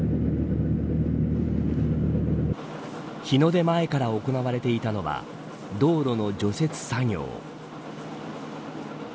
日の出前から行われていたのは道路の除雪作業。